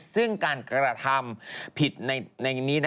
ซึ่งการกระทำผิดในนี้